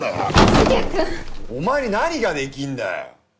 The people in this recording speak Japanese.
しげ君お前に何ができんだよ！